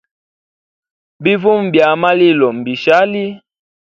Bivuma bya a malilo mbishali.